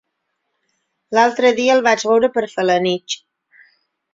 L'altre dia el vaig veure per Felanitx.